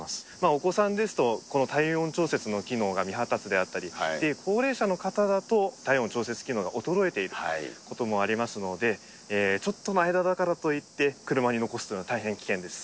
お子さんですと、体温調節の機能が未発達であったり、高齢者の方だと、体温調節機能が衰えていることもありますので、ちょっとの間だからといって、車に残すというのは大変危険です。